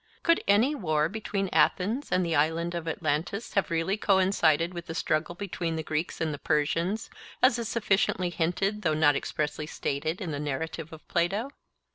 Could any war between Athens and the Island of Atlantis have really coincided with the struggle between the Greeks and Persians, as is sufficiently hinted though not expressly stated in the narrative of Plato?